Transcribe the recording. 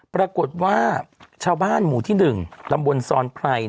ปรากฏว่าชาวบ้านหมู่ที่๑ตำบลซอนไพร